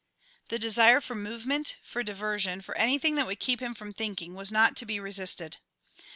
The desire for movement, for diversion, for anything that would keep him from thinking was not to be resisted.